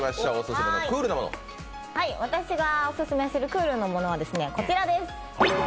私がオススメするクールなものはこちらです。